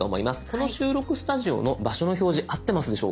この収録スタジオの場所の表示合ってますでしょうか？